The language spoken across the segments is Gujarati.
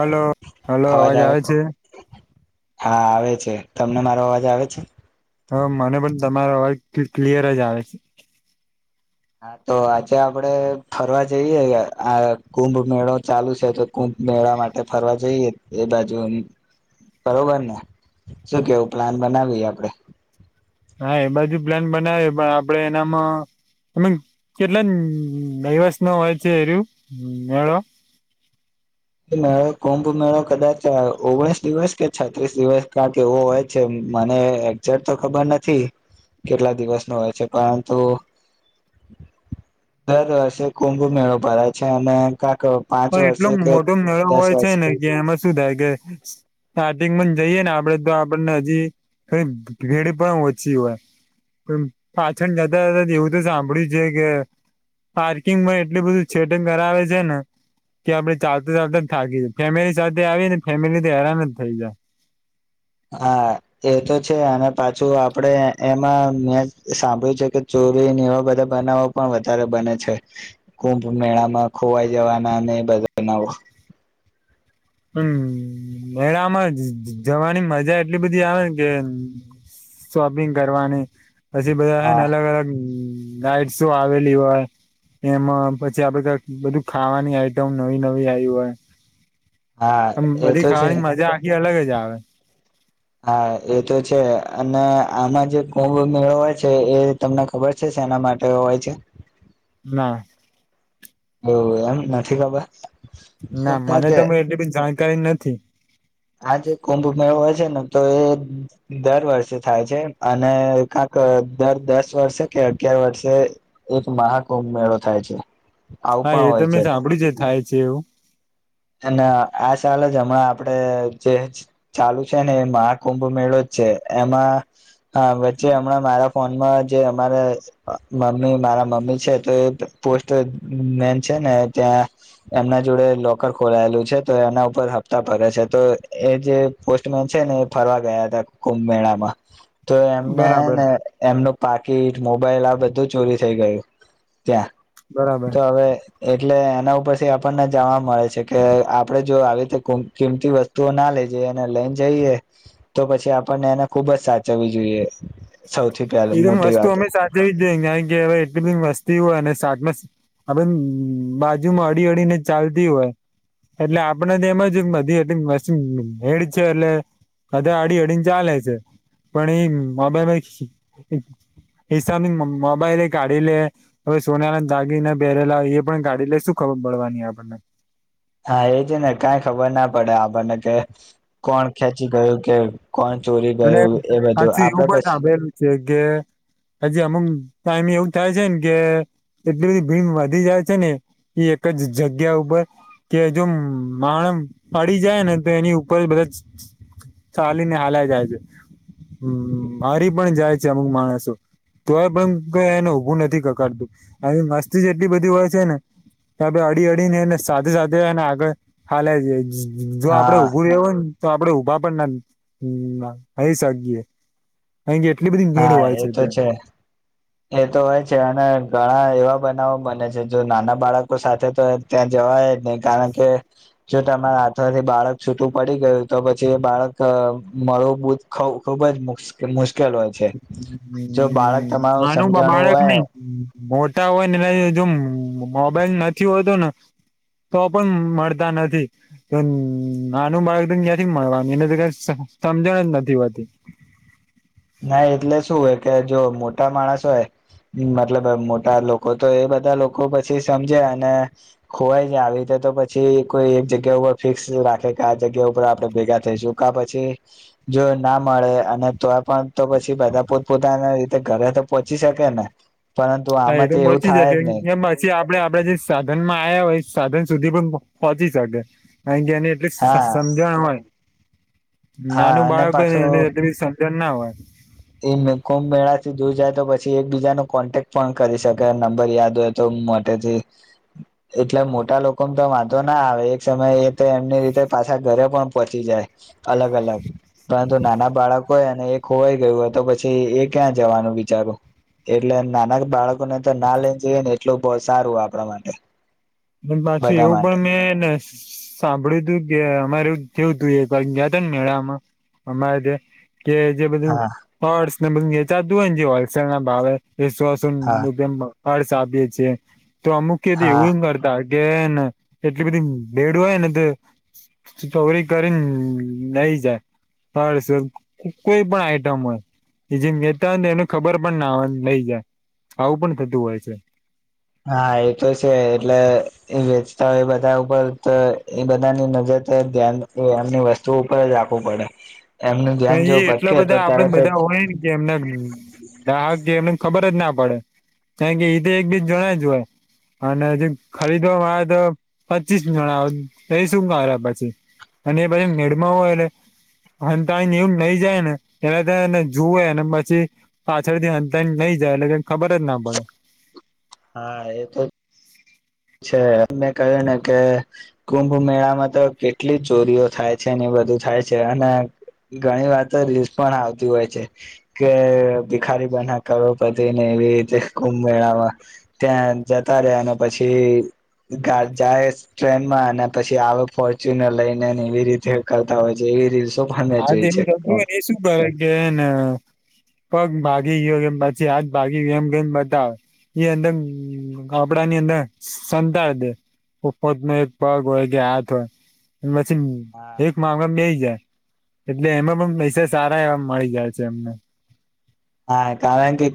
હલો, હલો, અવાજ આવે છે હા, આવે છે, તમને મારો અવાજ આવે છે હ, મને પણ તમારો અવાજ ક્લિયર જ આવે છે હા, તો આજે આપડે ફરવા જઈએે આ કુંભ મેળો ચાલુ છે તો કુંભ મેળા માટે ફરવા જઈએ એ બાજુ, બરોબર ને શું કેવું? પ્લાન બનાવી આપડે. હા, એ બાજુ પ્લાન બનાવે પણ આપડે એનામાં. અ કેટલા દિવસ નો હોય છે એર્યું મેળો. [inaudible] મેળો કુંભ મેળો કદાચ ઓગણીસ દિવસ કે છત્રીસ દિવસ કં કે એવો હોય છે. મ એક્જેક્ટ તો ખબર નથી કેટલા દિવસ નો હોય છે, પરંતુ. દર વર્ષે કુંભ મેળો ભરા છે અને. કક પાંચ પણ એટલો વર્ષે કે મોટો મેળો દસ હોય વર્ષે છે ને કે એમાં શું થાય કે. સારિંગ જ જઈએે ને આપડે તો આપણને હજી થ ભીડ પણ ઓછી હોય. પાછળ જતા જતા એવું તો સાંભળ્યું છે કે. પાર્કિંગ માં એટલ બધું છેટિંગ કરાવે છે ને. કે આપડે ચાલતા ચાલતા થાકી જાય ફેમિલી સાથે આવી ને ફેમિલી હેરાન જ થઈ જાય. [inaudible] હા, એ તો છે અને પાછું આપડે એમાં મેં સાંભળ્યું છે કે. [unintelligible] એવા બધા બનાવો પણ વધારે બને છે કુંભ મેળામાં ખોવાઈ જવાના અને. બનાવ [inaudible] હમ્મ એ આમાં જવાની મજા એટલી બધી આવે કે. શોપિંગ કરવાની પછી બધા છે, ને હા અલગ અલગ. ગાઈડ શું આવેલી હોય. એમાં પછી આપડે ક બધું ખાવાની આઈટમ નવી નવી આવી હોય. હા આમ એ બધી તો છે ખાવાની મજા આખી અલગ જ આવે. હા એ તો છે અને આમાં જે કુંભ મેળવય છે, એ તમને ખબર છે. ના માટે હોય છે? ના. તો એમ નથી ખબર. ના કારણ મને કે તો એટલી બી જાણકારી નથી. આ જે કુંભ મેળો હોય ને તો એ દર વર્ષે થાય છે અને કક દર દસ વર્ષે. અગયાર વર્ષે એક મહાકુંભ મેળો થાય છે. આવું હા પણ એ હોય તમે સાંભળું છે, થાય છે એવું. અને આ ચાલ જ હણા આપડે જે ચાલુ છે ને એ મહાકુંભ મેળો. એ હ વચચે હમણાં મારા ફોનમાં જે અમારા મમ્મી. મમ્મી છે મે છેને ત્યાં એમના જોડે. ખોલાયેલું છે તો એના ઉપર હપ્તા ભરે છે, તો એ જે પોસ્ટમેન છે ને એ ફરવા ગયા હતા. કુંભ મેળામાં. તો એવું એમને બરાબર ને એમનું પાકીટ મોબાઈલ આ બધું ચોરી થઈ ગયું. ત્યાં બરાબર તો હવે એટલે એના ઉપરથી આપણને જાવા મળે છે. કે આપડે જો આવી રીતે કિંમતી વસ્તુઓ ના લે જઈએ અને લઈને જઈએ તો પછી. આપણને એને ખુબ જ સાચવવી જોઈએ. સૌથી પહેલા એંગ મોટી વાત વસ્તુઓમે સાધવીે હ ગવા એટંગ વસ્તુ. તી હોય ને શાક આપ બાજુમાં અળી અડીને ચાલતી હોય. એટલે આપડ તો એમાં જ નથીી એટ મેડ છે એટલે. અધ અડી અડીને ચાલે છે પણ એ મોબાઈ. હિસાબની મોબાઈલ કાઢી લે હવે સોના ના દાગી ના બેહેરેલા એ પણ કાઢી લે શું ખબર. મળળવાની આપણને. હા, એ છે ને કઈ ખબર ના પડે આપણને કે કોણ ખેંચી ગયું કે. કોણ ચોરી અને ગયું એ બધું સાચું એવું આપડે પણ પછી સાંભેલું છે, કે હજી અમુક. ટાઈમ એવું થાય છે ને કે એટલી બધી ભીડ વધી જાય છે ને. એક જ જગ્યા ઉપર કે જો માણસ પડી જાય ને તો એની ઉપર બધા. ચાલીને હલાય જાય છે. હમ મારી પણ જાય છે અમુક માણસો. તોય પણ ક એને ઉઊભું નથી કકાડતું આવી મસ્તી જેટલી બધી હોય છે ને. ત અડી અડીને એ સાથે સાથે અને આગળ હા. જો આપડે હા ઉઊભું રહેવું હોયને તો આપડે ઉભા પણ ના. હ શકીય અહી એટલી બધી મેળ હા હોય એ છે તો જે. એ તો હોય છે અને ઘણા એવા બનાવો બને છે જો નાના બાળકો સાથે તો ત્યાં જવાય. નહી કારણ કે જો તમારા હાથમાંથી બાળક છૂટું પડી ગયું તો પછી એ બાળક. મળું બ ખુબ જ મુશ્કેલ હોય છે જો બાળક તમારો. નાનું બાળક નહી. મોટા હોય ને એ જો મોબાઈલ નથી હોતો ને. તો પણ મળતા નથી આનું બાળ ક્યાંથી મળવાનું એને તો ક. સમજણ જ નથી હોતી. ના એટલે શું હોય કે જો મોટા માણસ હોય. મતલબ મોટા લોકો તો એ બધા લોકો પછી સમજે અને ખોવાય છે આવી રતે. તો પછી કોઈ એક જગ્યા ઉપર ફિક્સ રાખે કે આ જગ્યા ઉપર આપે ભેગા થઈશું કે પછી. જો ના મળે અને તો આપ. પણ તો પછી બધા પોતપ પોતાના રીતે ઘરે તો પોહોંચી શકે ને. પરંતુ હા એ આમાં તો એવું મોચી થાય જશે જ નહી એમ પછી આપડે આપડે જે સાધન માં આવ્યા હોય સાધન સુધી પણ પહોંચી શકે અ કેની એટલી હા સમજણય હા નાનું અને બાળક હો પાછો એ એ સમજણ ના હોય એ કુંભ મેળા થી દૂર જાય તો પછી એકબીજા ન કોન્ટેક્ટ પણ કરી શકે નંબર યાદ હોય તો મોથી એટલે મોટા લોકો તો વાંધો ના આવે એક સમયે એ તો એમની રીતે પાછા ઘરે પણ પહોંચી જાય અલગ અલગ પરંતુ નાના બાળકોય અને એક હોોવાય ગયું હત તો પછી એ ક્યાં જવાનું વિચારું એટલે નાના બાળકોને તો ના લઈને જઈએ ને એટલું બહ સારું આપણા માટે પાછું બધા એવું માટે પણ મેંને સાંભળ્યું તું કે અમારે જેવું હતું એ ત મેળામાં અમારે જે કે જે બધું હા હોર્ડસ ને બધું વેચાતું હોય જે હોલસેલ ના ભાવે એ સોસો હા અર્શ આપે છે તો અમુક કે હા દેવું એ ને એટલી બધી બેડું હોય ને તો ચોરી કરીને નઈ જાય હર્સ કોઈ પણ આઈટમ હોય એ જે નેતા હોય ને એને ખબર પણ ના નઈ જાય આવું પણ થતું હોય છે હા એ તો છે એટલે એ વેચતા હોય બધા ઉપર તો એ બધાની નજર ધ્યાન એમની વસ્તુ ઉપર જ રાખવું પડે એમનું ધ્યાન પણ જો એ એટલા ભટકે તો બધા આપડ તરત જ બધા હોય ને કે એમના દાક એમને ખબર જ ના પડે કારણ કે એઈ તો એકબીજ જણ જ હોય અને હજ ખરીદવાવામાં આવે તો પચીસ જણા એ શું કરે પછી અને એ પછ મેળમાં હો એટલે એવમ નઈ જાય ને એટલેને જુવે ને પછી પાછળથી અ નહી જાય એ ખબર જ ના પડે હા એ તો છે મેં કહ્યું ને કે કુંભ મેળામાં તો કેટલી ચોરીઓ થાય છે એની બધી બધું થાય છે અને ઘણી વાત તો રીલ પણ આવતી હોય છે કે ભિખારી બના કરો બધીને એ રીતે કુંભ મેળામાં ત્યાં જતા રહ્યા અને પછી જાય ટ્રેનમાં અને પછી આવે ફોર્ચ્યુનર લઈને ને એવી રીતે કરતા હોય છે એવી રી હા તો એનું થુંને એ શું કરે કેને પગ ભાગી ગયો કેમ પછી આજ ભાગી ગયયો એમ કેમ બતાવે એ અંદર આપડા ની અંદર સંતા છે ઉપત નો એક પગ હોય કે હાથ હોય પછી એક મામલા બેય જાય એટલે એમાં પણ પૈસા સારા એવા મળી જાય છે એમને હા કારણ કે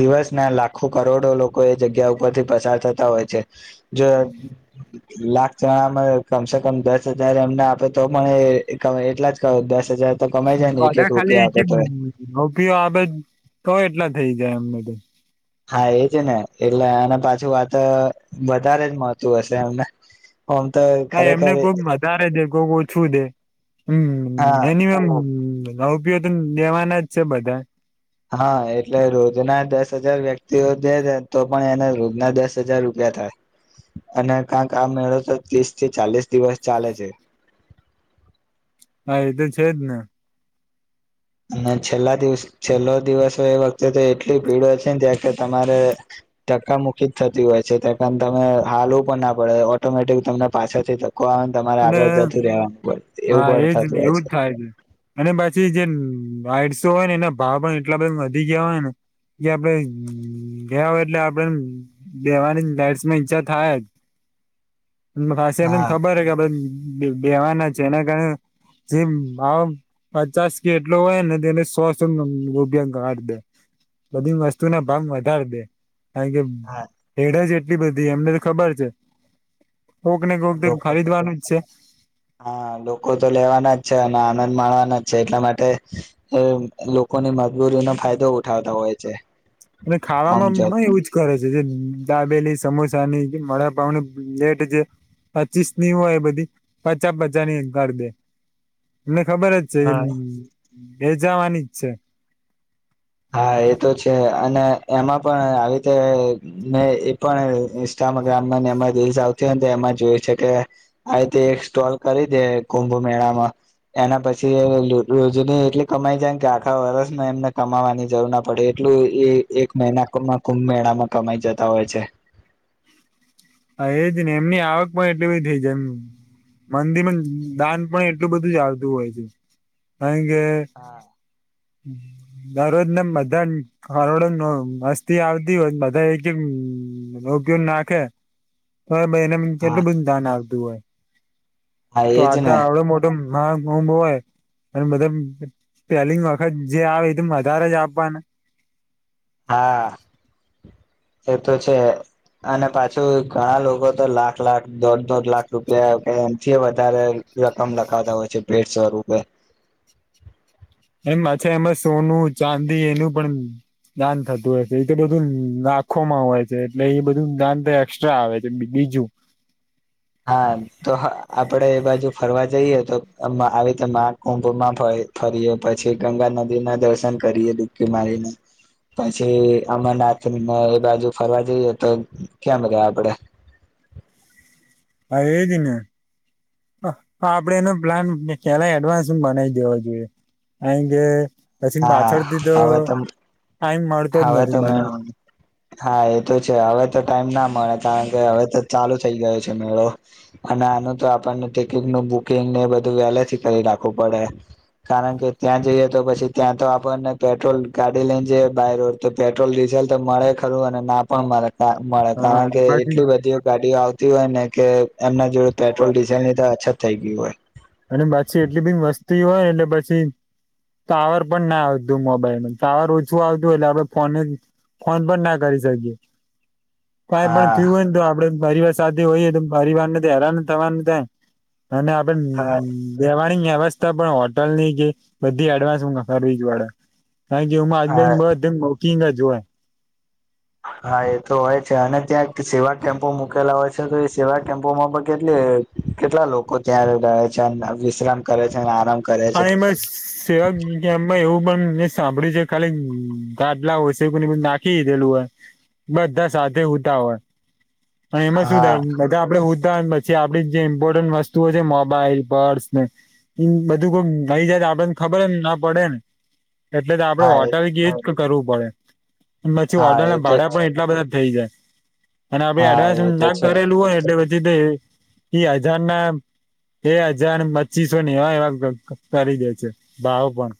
દિવસ ના લાખો કરોડો લોકો એ જગ્યા ઉપર થી પ ચાલતા તાથતા હોય છે જો લાખ જણામાં કમસે કમ દસ હજાર એમને આપે તો પણ એટલા જ કર દસ હજાર તો કમાઈ જાય ને એક એક અધા ખાલી રૂપિયા હ આપે તો રૂપિઓ આપે તો એટલા થઈ જાય અમબધુ હા એ છે ને એટલે આને પાછું વાત વધારે જ મળતું હશે એમને આમ તો હા એમને ખરેખર કોક મારે દે કોક ઓછું દે હમ હા એની એમ ન ઉપયો તો લેવાના જ છે બધા હા એટલે રોજના દસ હજાર વ્યક્તિઓ જે તો પણ એના રોજના દસ હજાર રૂપિયા થાય અને કંક આ મેળો તો ત્રીસ થી ચાલીસ દિવસ ચાલે છે [inaudible] હા એ તો છે જ ને અને છેલ્લા દિવસ છેલ્લો દિવસ એ વખતે તો એટલી ભીડ છે ને ત્યાં કે તમારે ધક્કા મુુકી જ થતી હોય છે તમે હાલવું પણ ના પડે ઓટોમેટિક તમને પાછાથી આવે તમારે આગળ એટલે જતું રહેેવાનું એવું હા પણ એજ થતું ને હોય એવું છે જ થાય અને પછી જેમ આડસો હોય ને એના ભાવ પણ એટલા બ વધી ગયા હોય ને. કજે આપડે ગયા હોય એટલે આપડે દેવાની લાઈટ્સ ની ઈચ્છા થાય જ. પા સેમિંગ હા ખબર હ કે બેવાના છે એના કારણે જેમ ભાવ પચાસ કે એટલો હોય ને તેને સોસો રૂપિયા ગાઢ દે બધી વસ્તુના ભાવ વધાર દે કારણ કે હા હેડ જ એટલી બધી એમને તો ખબર છે. કોક ને કોક ત લોકો તો ખરીદવાનું. જ છે હા લોકો તો લેવાના જ છે અને આનંદ માળવા ના છે એટલા માટે લોકોની મજબૂરીનો ફાયદો ઉઠાવતા હોય છે. અને ખાવામાં મ હા એવુંજ કરે છે જે ડાબેલી સમોસા ની ક વડાપાંવની પ્લેટ છે. પચીસ ની હોય એ બધી પચા પચા ની કરી દે એમને ખબર જ છે એ એ જવાની જ છે. હા એ તો છે અને એમાં પણ આવી રીતે મે એ પણ ઇન્સ્ટા ગામ દે એમા જોઈ શકે થાય એ સ્તોર કરી દે કો કો ની મેળામાં એના પછી રોજની એટલી કમાઈ જાય કે આખા વર્ષ એમને કમાવા ની જરૂર ના પડે એટલું એ એક મહિનામાં કુંભ મેળામાં કમાઈ જતા હોય છે. હા એજ ને એમની આવક પણ એટલી બધી થઈ જાય એમ મંદિરમ દાન પણ એટલું બધું જ આવતું હોય છે. કારણ કે હા દરોજના બધા ખરોડો મસ્તી આવતી હો બધા એજ રોગ્ય નાખે તો એને કેટલું બધું દાન આવતું હોય. હા તો એજ આ તો ને આવડો મોટો [unintelligible] હોય અને બધા પેલીંગ ખત જે આવે એ તે વધારે જ આપવાના હા એ તો છે. અને પાછું ઘણા લોકો તો લાખ લાખ દોઢ દોઢ લાખ રૂપિયા કે એમથી વધારે રકમ લખાતા હોય છે ભેડ સ્વરૂપે એમ છા એમાં સોનું ચાંદી એનું પણ દાન થતું હોય છે એ તો બધું નાખોમાં હોય છે એટલે એ બધું દાન તો એક્સ્ટ્રા આવે છે બીજું બીજું હા તો આપડે એ બાજુ ફરવા જઈએ તો આવી રીતે [unintelligible] ફરીએ પછી ગંગા નદીના દર્શન કરીએ ડુબકી મારીને. પછી અમરનાથને એ બાજુ ફરવા જઈએ તો કેમ રે આપડે [inaudible] એ જ ને આપડે એનો પ્લાન ક્યારે એડવાન્સ બનાવી દેવો જોઈએ કારણ કે પછી હા પાછળથી તો હવે ટાઈમ મળતો જ હવે નથી તો મે બનાવવાનો. હા એ તો છે હવે તો ટાઈમના મળે કારણ કે હવે તો ચાલુ થઈ જાય છે મેળો અને આનું તો આપણને ટિકિટ નું બુકિંગ. બધું વેલેથી કરી નાખવું પડે કારણ કે ત્યાં જઈએ તો પછી. ત્યાં તો આપણને પેટ્રોલ ગાડી લઈન જતા રઉં કે પેટ્રોલ ડીઝલ તો મળે ખરું અને ના પણ મળે. ના મળે હા કારણ અને કે પછી એટલી બધી ગાડીઓ આવતી હોય ને કે એમના જોડે પેટ્રોલ ડીઝલની તો અછત થઇ ગયું હોય. અને બાછી એટલી બી વસ્તી હોય એટલે પછી. ટાવર પણ ના આવતું મોબાઈલ ટાવર ઓછું આવતું એટલે આપડે ફોન ફોન પણ ના કરી શકીએ કઈ પણ હા થયું હોયને તો આપડે પરિવાર સાથે હોઈએ તો પરિવારને તો હેરાન થવાનું ત અને આપ હા હમ રહેેવાની વ્યવસ્થા પણ હોટલની જે બધી એડવાન્સ હું કરવી જ પડે. થઇ જુમમાં આજબન હા બધ બુકીંગ જ હોય. હા એ તો હોય છે અને ત્યાં સેવા કેમ્પો મૂકેલા હોય છે તો એ સેવા કેમ્પોમાં પણ કેટલી કેટલા લોકો ત્યાં રહે છે વિશ્રામ કરે છે આરામ. કરે છે પણ એમાં સેવ કેમાં એવું પણ. સાંભળી જે ખાલી ગાટલા હોય છે કો નાખીીધેલું હોય. બધા સાથે હતા હોય અને એમાં શું હા થાય બધા આપડે. પછી આપડી જે ઇમ્પોર્ટન્ટ વસ્તુઓ છે મોબાઈલ પર્સ ને બધ. ું નઈ જાય તો આપડને ખબરને ના પડે ને એટલે તો આપડે હા હોટલ ક. કરવું પડે પછી હા ઓટલ એ ના તો ભાડા પણ એટલા બધા થઈ જાય. અને આપડે હા એડવાન્સ એ તો ના છે કરેલું હોય એટલે. ીધ એ હજાર ના બે હજાર પચીસો ને એ. કકાર દે છે ભાવ પણ.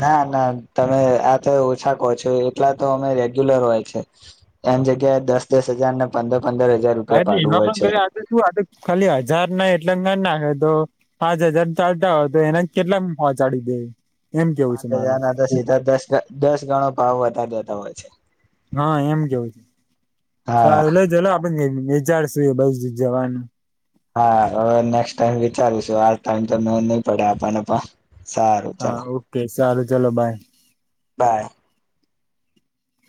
ના ના તમે આ તો ઓછા કહો છો એટલા તો અમે રેગ્યુલર હોય છે. એમ જગ્યાએ દસ દસ હજાર ને પંદર પંદર હજાર હા, રૂપિયા એટલે ભાડું એમાં હોય પણ છે ગ આજે શું આજે ખાલી હજાર ને કેટલા ના નાખે તો પાંચ હજાર ચાલતા હોય તો એના કેટલા પહોચાડી દે. એમ કેવું છે પાંચ મારું હજાર ના તો હ સીધા દસ દસ ગણો ભાવ વધાર દેતા હોય છે. હા, એમ કેવું છે. હા સારું એટલે ચલો આપન જઈ વિચારશું એ બાજુ જવાનું. હા હવે નેક્સ્ટ ટાઈમ વિચારું છું આ ટાઈમ તો નહી પડે આપને પા સારું ચાલો. સાલું ચલો બાય. બાય.